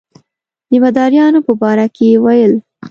د مداریانو په باره کې یې ویل.